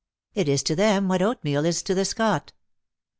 It is to them what oat meal is to the Scot."